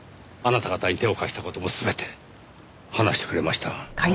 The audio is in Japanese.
あなた方に手を貸した事も全て話してくれました。